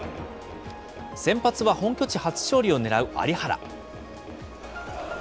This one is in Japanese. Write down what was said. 先発は本拠地初勝利を狙う有原。